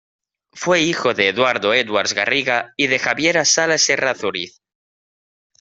Fue hijo de Eduardo Edwards Garriga y de Javiera Salas Errázuriz.